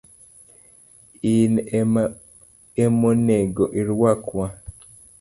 In emonego irwak wa.